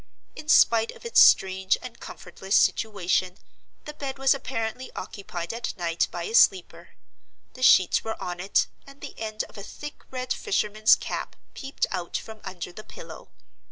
In spite of its strange and comfortless situation, the bed was apparently occupied at night by a sleeper; the sheets were on it, and the end of a thick red fisherman's cap peeped out from under the pillow.